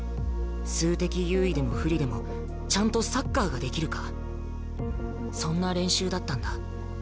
数的優位でも不利でもちゃんとサッカーができるかそんな練習だったんだ。